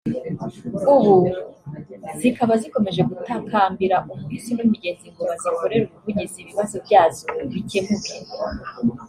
ubu zikaba zikomeje gutakambira umuhisi n’umugenzi ngo bazikorere ubuvugizi ibibazo byazo bikemuke